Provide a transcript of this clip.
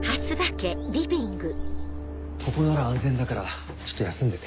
ここなら安全だからちょっと休んでて。